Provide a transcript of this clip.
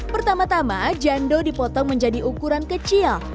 pertama tama jando dipotong menjadi ukuran kecil